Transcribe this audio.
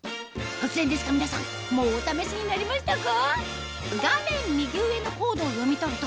突然ですが皆さんもうお試しになりましたか？